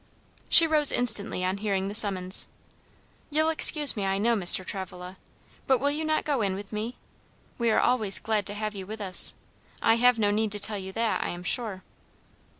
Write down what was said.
She rose instantly on hearing the summons. "You'll excuse me, I know, Mr. Travilla. But will you not go in with me? We are always glad to have you with us. I have no need to tell you that, I am sure."